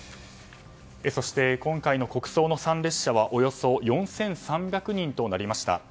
今回の国葬の葬列者はおよそ４３００人となりました。